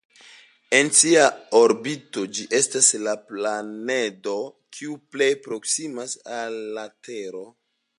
En sia orbito, ĝi estas la planedo kiu plej proksimas al la Tero.